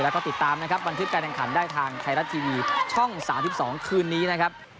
แล้วก็ติดตามนะครับบันทึกการแข่งขันได้ทางไทยรัฐทีวีช่อง๓๒คืนนี้นะครับ